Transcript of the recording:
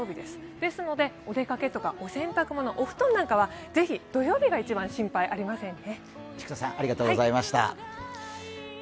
ですので、お出かけとかお洗濯物、お布団なんかは土曜日が一番心配ありませんね。